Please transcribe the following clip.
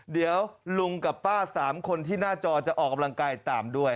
เดี๋ยวลุงกับป้า๓คนที่หน้าจอจะออกกำลังกายตามด้วย